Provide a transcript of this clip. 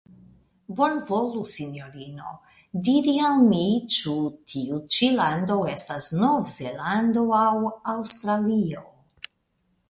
Bonvolu, Sinjorino, diri al mi ĉu tiu ĉi lando estas Nov-Zelando aŭ Aŭstralio?